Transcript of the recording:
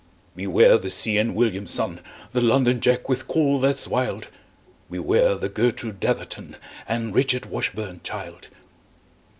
Beware the see enn william, son, The londonjack with call that's wild. Beware the gertroo datherton And richardwashburnchild.